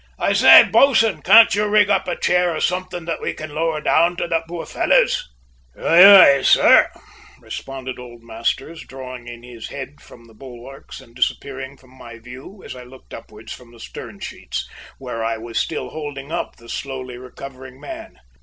"I say, bo'sun, can't you rig up a chair or something that we can lower down for the poor fellows?" "Aye, aye, sir," responded old Masters, drawing in his head from the bulwarks and disappearing from my view as I looked upwards from the stern sheets, where I was still holding up the slowly recovering man.